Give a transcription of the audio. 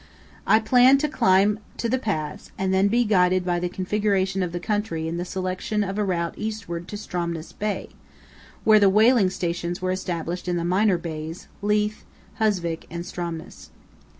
I planned to climb to the pass and then be guided by the configuration of the country in the selection of a route eastward to Stromness Bay, where the whaling stations were established in the minor bays, Leith, Husvik, and Stromness.